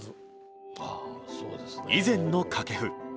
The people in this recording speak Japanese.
以前の掛布。